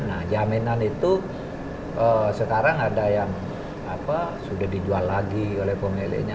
nah jaminan itu sekarang ada yang sudah dijual lagi oleh pemiliknya